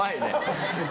確かに。